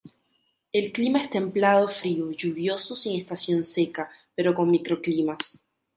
El clima es templado frío lluvioso sin estación seca, pero con microclimas.